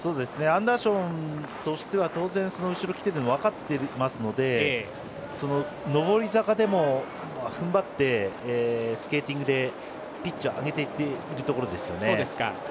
アンダーションとしては当然、後ろに来ているのは分かっていますので上り坂でも踏ん張ってスケーティングでピッチを上げていってるところですよね。